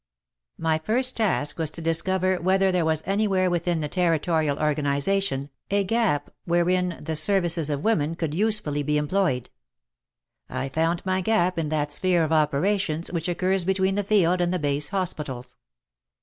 My first task was to discover whether there was anywhere within the Territorial organ ization, a gap wherein the services of women could usefully be employed. I found my gap in that sphere of operations which occurs between the field and the base hospitals.